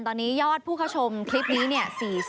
ตอนนี้ยอดผู้ชมคลิปนี้